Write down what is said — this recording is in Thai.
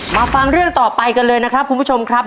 ฟังเรื่องต่อไปกันเลยนะครับคุณผู้ชมครับ